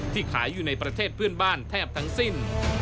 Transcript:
ขายอยู่ในประเทศเพื่อนบ้านแทบทั้งสิ้น